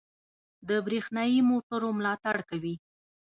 د بریښنايي موټرو ملاتړ کوي.